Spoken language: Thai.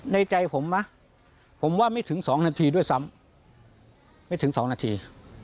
ในใจผมมั้ยผมว่าไม่ถึง๒นาทีด้วยซ้ำไม่ถึง๒นาที